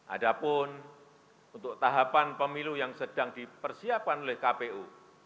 adapun untuk tahapan pemilu yang sedang dipersiapkan oleh kpu